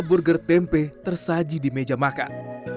burger tempe tersaji di meja makan